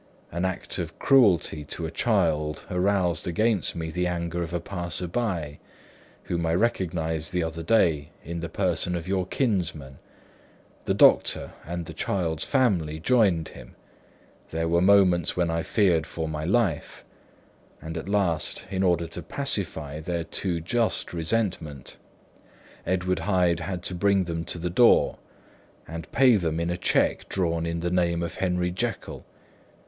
An act of cruelty to a child aroused against me the anger of a passer by, whom I recognised the other day in the person of your kinsman; the doctor and the child's family joined him; there were moments when I feared for my life; and at last, in order to pacify their too just resentment, Edward Hyde had to bring them to the door, and pay them in a cheque drawn in the name of Henry Jekyll.